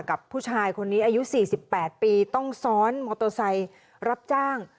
กับผู้ชายคนนี้อายุ๔๘ปีต้องซ้อนมอเตอร์ไซค์รับจ้าง